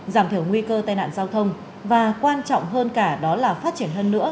giảm thiểu nguy cơ tai nạn giao thông và quan trọng hơn cả đó là phát triển hơn nữa